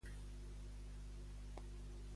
Inicia el joc que ens va agradar ahir.